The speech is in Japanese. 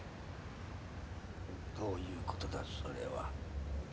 どういう事だそれは？